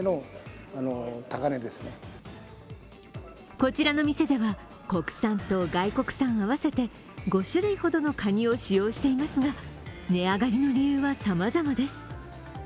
こちらの店では、国産と外国産合わせて５種類ほどのかにを使用していますが値上がりの理由はさまざまです。